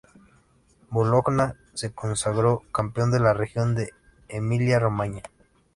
Bologna se consagró campeón de la región de Emilia-Romaña.